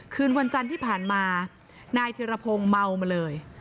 คืนวันจันทร์ที่ผ่านมานายธิรพงศ์เมามาเลย